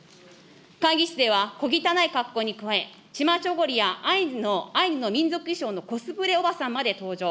会議室では小汚い格好に加え、チマチョゴリやアイヌの民族衣装のコスプレおばさんまで登場。